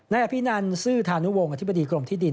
อภินันซื่อธานุวงศ์อธิบดีกรมที่ดิน